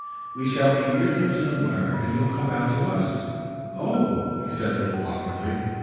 "We shall be near them somewhere, and you'll come out to us." "Oh!" he said a little awkwardly.